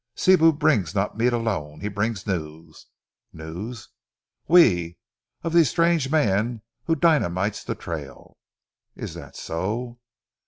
"Sibou brings not meat alone, he brings news." "News." "Oui! Of ze stranger mans who dynamite ze trail!" "Is that so?"